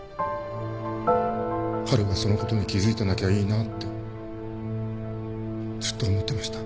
波琉がその事に気づいてなきゃいいなってずっと思ってました。